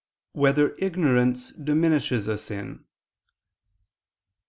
4] Whether Ignorance Diminishes a Sin?